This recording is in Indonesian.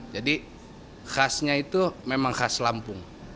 jadi khasnya itu memang khas lampung